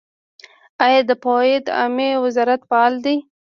آیا د فواید عامې وزارت فعال دی؟